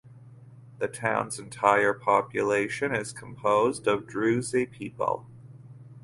The towns entire population is composed of Druze people.